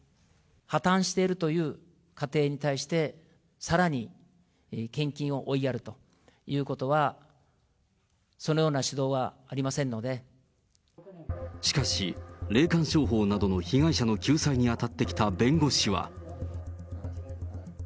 破綻しているという家庭に対して、さらに献金を追いやるということは、しかし、霊感商法などの被害者の救済に当たってきた弁護士は。